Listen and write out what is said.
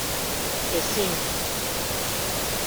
اِسین